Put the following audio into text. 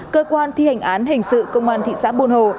cơ quan thi hành án hình sự công an thị xã buôn hồ